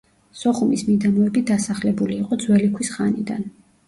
სოხუმის მიდამოები დასახლებული იყო ძველი ქვის ხანიდან.